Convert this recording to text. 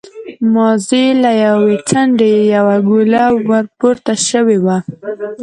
مازې له يوې څنډې يې يوه ګوله ور پورته شوې وه.